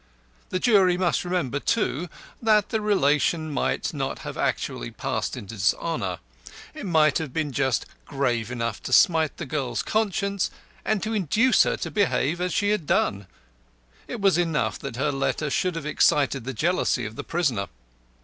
The jury must remember, too, that the relation might not have actually passed into dishonour, it might have been just grave enough to smite the girl's conscience, and to induce her to behave as she had done. It was enough that her letter should have excited the jealousy of the prisoner.